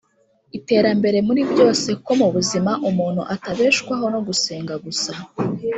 iterambere muri byose kuko mu buzima umuntu atabeshwaho no gusenga gusa.